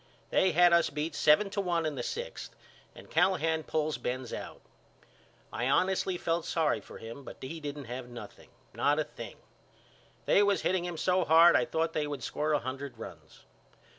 They had us beat seven to one in the sixth and Callahan pulls Benz out. I honestly felt sorry for him but he didn't have nothing, not a thing. They was hitting him so hard I thought they would score a hundred runs.